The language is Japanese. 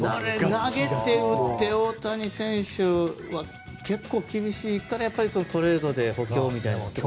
投げて、打って大谷選手は結構厳しいからそのトレードで補強みたいな。